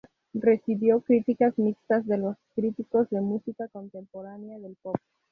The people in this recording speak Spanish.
Recibió críticas mixtas de los críticos de música contemporánea del pop.